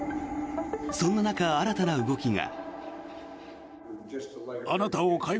そんな中、新たな動きが。